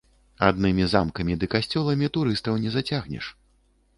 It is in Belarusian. Аднымі замкамі ды касцёламі турыстаў не зацягнеш.